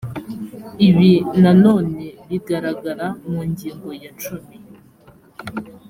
ibi na none bigaragara mu ngingo ya cumi